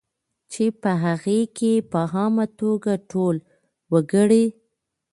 چې په هغې کې په عامه توګه ټول وګړي